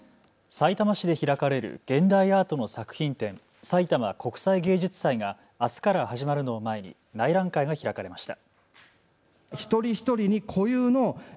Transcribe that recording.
さいたま市で開かれる現代アートの作品展、さいたま国際芸術祭があすから始まるのを前に内覧会が開かれました。